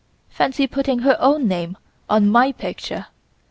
Fancy putting her own name on my picture.